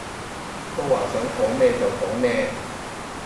都話想講咩就講咩